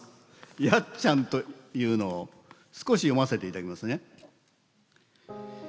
「やっちゃん」というのを少し読ませていただきますね。